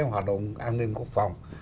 hoạt động an ninh quốc phòng